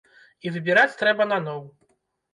І выбіраць трэба наноў.